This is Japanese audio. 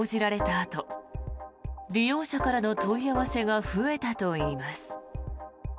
あと利用者からの問い合わせが増えたといいます。